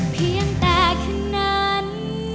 เพียงแต่แค่นั้น